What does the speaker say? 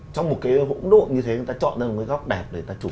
trong một cái hỗn độn như thế người ta chọn ra một cái góc đẹp để người ta chụp